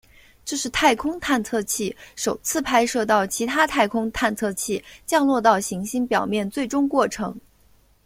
这是太空探测器首次拍摄到其他太空探测器降落到行星表面最终过程。